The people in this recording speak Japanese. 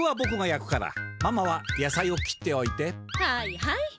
はいはい。